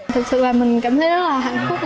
thực sự là mình cảm thấy rất là hạnh phúc